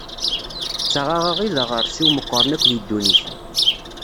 D taɣaɣa i d aɣersiw meqqren akk deg ddunit.